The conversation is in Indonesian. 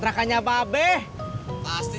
tak ada yang gabung n ceritain